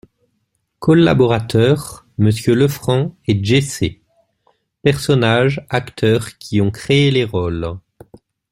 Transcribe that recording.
COLLABORATEURS : MMonsieur LEFRANC et JESSÉ PERSONNAGES Acteurs qui ont créé les rôles.